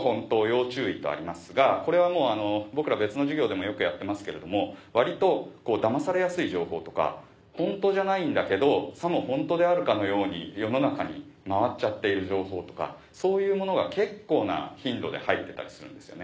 要注意」とありますがこれはもう僕ら別の授業でもよくやってますけれども割とだまされやすい情報とかホントじゃないんだけどさもホントであるかのように世の中に回っちゃっている情報とかそういうものが結構な頻度で入ってたりするんですよね。